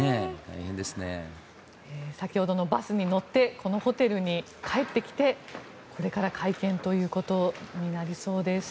先ほどのバスに乗ってこのホテルに帰ってきてこれから会見となりそうです。